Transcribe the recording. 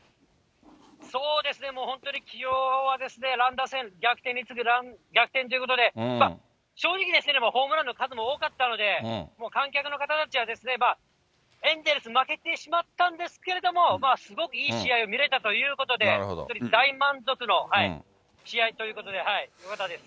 そうですね、もう本当にきょうは乱打戦、逆転に次ぐ逆転ということで、正直、ホームランの数も多かったので、観客の方たちは、エンゼルス負けてしまったんですけども、すごくいい試合を見れたということで、大満足の試合ということでよかったです。